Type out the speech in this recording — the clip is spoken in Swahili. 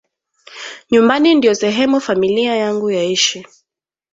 Nyumbani ndio sehemu familia yangu yaishi